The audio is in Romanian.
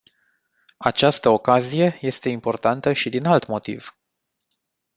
Această ocazie este importantă și din alt motiv.